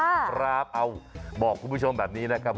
ครับเอาบอกคุณผู้ชมแบบนี้นะครับ